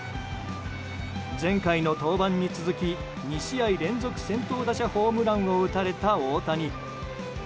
前回の登板に続き２試合連続先頭打者ホームランを打たれた大谷。